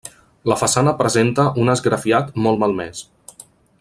La façana presenta un esgrafiat molt malmès.